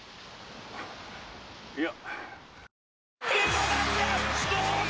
いや。